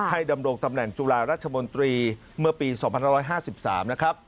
ดำรงตำแหน่งจุฬาราชมนตรีเมื่อปี๒๕๕๓นะครับ